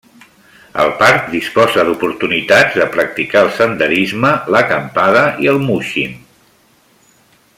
El parc disposa d'oportunitats de practicar el senderisme, l'acampada i el múixing.